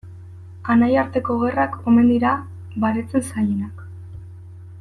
Anaiarteko gerrak omen dira baretzen zailenak.